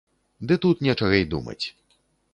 Ды тут нечага й думаць.